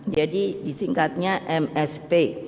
jadi disingkatnya msp